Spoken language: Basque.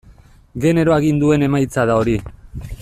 Genero aginduen emaitza da hori.